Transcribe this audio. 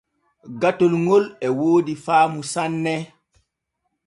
Gatol ŋol e woodi faamu sanne.